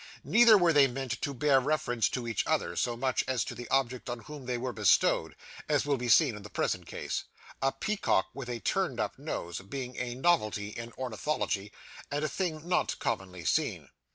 Neither were they meant to bear reference to each other, so much as to the object on whom they were bestowed, as will be seen in the present case: a peacock with a turned up nose being a novelty in ornithology, and a thing not commonly seen.